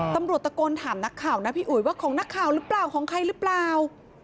ตำรวจตะโกนถามนักข่าวนะพี่อุ๋ยว่าของนักข่าวหรือเปล่าของใครหรือเปล่า